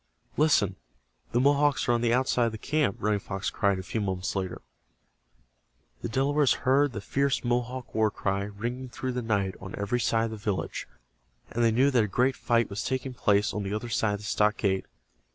"Listen, the Mohawks are on the outside of the camp!" Running Fox cried, a few moments later. The Delawares heard the fierce Mohawk war cry ringing through the night on every side of the village, and they knew that a great fight was taking place on the other side of the stockade.